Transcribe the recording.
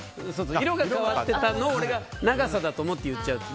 色が変わってたのを俺が長さだと思って言っちゃった。